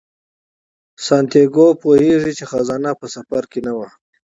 سانتیاګو پوهیږي چې خزانه په سفر کې نه وه.